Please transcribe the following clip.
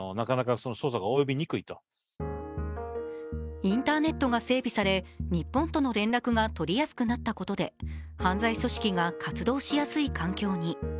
インターネットが整備され、日本との連絡が取りやすくなったことで犯罪組織が活動しやすい環境に。